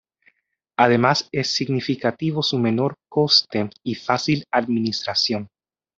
Además es significativo su menor coste y fácil administración.